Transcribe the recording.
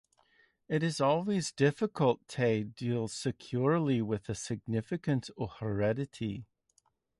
It is always difficult to deal securely with the significance of heredity.